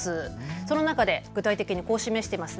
その中で具体的にこうして示しています。